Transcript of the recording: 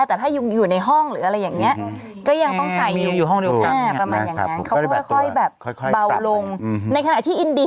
เทศกาลที่เขาไปทำพิธี